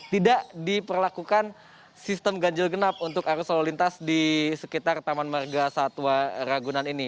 tidak diperlakukan sistem ganjil genap untuk arus lalu lintas di sekitar taman marga satwa ragunan ini